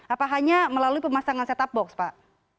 apa hanya melalui pemasangan set top box pak